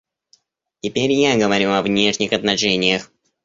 Теперь я говорю о внешних отношениях.